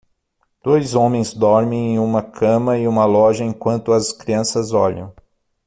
Dois homens dormem em uma cama em uma loja enquanto as crianças olham.